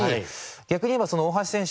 逆に言えば大橋選手